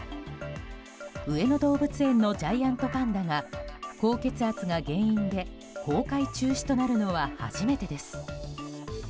上野動物園のジャイアントパンダが高血圧が原因で公開中止となるのは初めてです。